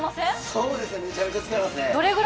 そうですね、めちゃめちゃ使いますね。